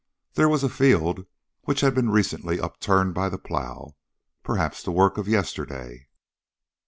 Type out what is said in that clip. There was a field which had been recently upturned by the plow, perhaps the work of yesterday.